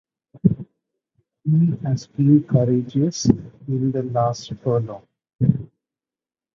He has been courageous in the last furlong.